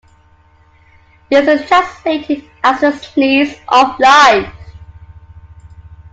This is translated as the 'Sneeze of Life'.